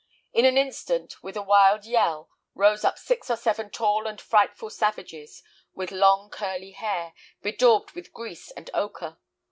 In an instant, with a wild yell, rose up six or seven tall and frightful savages, with long curly hair, bedaubed with grease and ochre.